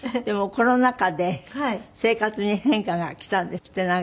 でもコロナ禍で生活に変化がきたんですって？